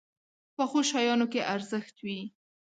پخو شیانو کې ارزښت وي